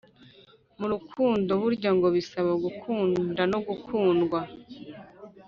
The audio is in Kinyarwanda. murukundo burya ngo bisaba gukunda no gukundwa